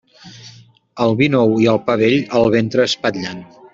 El vi nou i el pa vell el ventre espatlen.